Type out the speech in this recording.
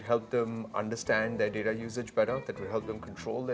dan kami menyadari bahwa kita memiliki beberapa teknologi